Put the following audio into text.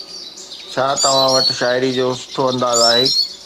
ڇا توهان وٽ شاعري جو سٺو انداز آهي؟